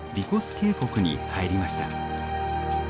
渓谷に入りました。